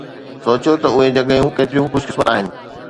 سوچيو ته اهي جڳهون ڪيتريون خوش قسمت آهن